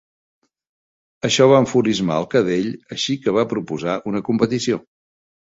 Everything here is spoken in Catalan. Això va enfurismar el cadell, així que va proposar una competició.